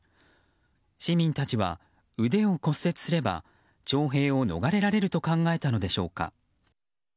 市民たちは腕を骨折すれば徴兵を逃れられると考えたのでしょうか。